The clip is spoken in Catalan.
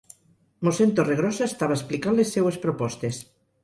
Mossén Torregrossa estava explicant les seues propostes.